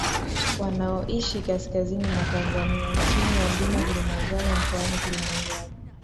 Wanaoishi kaskazini mwa Tanzania chini ya mlima Kilimanjaro mkoani Kilimanjaro